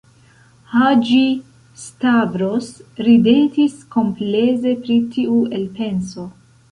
Haĝi-Stavros ridetis kompleze pri tiu elpenso.